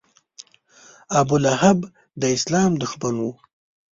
ابولهب د اسلام دښمن و.